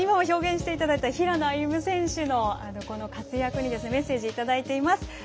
表現していただいた平野歩夢選手の活躍にメッセージいただいています。